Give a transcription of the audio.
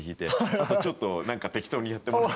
あとちょっとなんか適当にやってもらっていい？